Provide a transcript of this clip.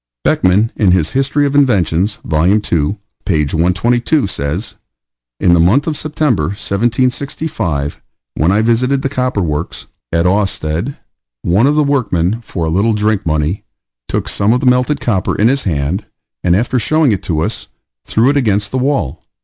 Beckmann, in his History of Inventions, Vol. II., page 122, says: In the month of September, 1765, when I visited the copper works at Awested, one of the workmen, for a little drink money, took some of the melted copper in his hand, and after showing it to us, threw it against the wall.